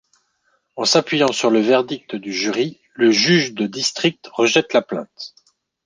En s'appuyant sur le verdict du jury, le juge de district rejette la plainte.